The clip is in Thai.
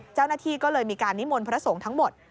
เจ้าหน้าที่ก็เลยมีการนิมนต์พระสงฆ์ทั้งหมด